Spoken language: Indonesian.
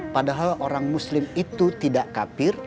padahal orang muslim itu tidak kapir